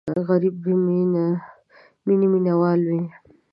غریب د مینې مینهوال وي